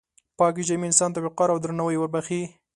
پاکې جامې انسان ته وقار او درناوی وربښي.